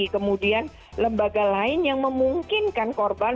kemudian lembaga lain yang memungkinkan korban